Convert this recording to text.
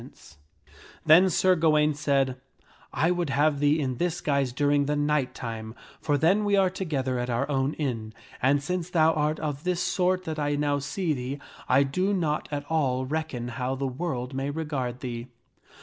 3 io THE STORY OF SIR GAWAINE Then Sir Gawaine said, " I would have thee in this guise during the night time, for then we are together at our own inn ; and since thou art of this sort that I now see thee, I do not at all reckon how the world may regard thee."